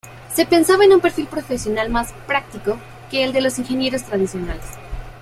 Se pensaba en un perfil profesional más "práctico" que el de los ingenieros tradicionales.